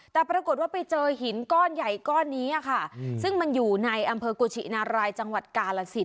แต่ปรากฏว่าไปเจอหินก้อนใหญ่ก้อนนี้ค่ะซึ่งมันอยู่ในอำเภอกุชินารายจังหวัดกาลสิน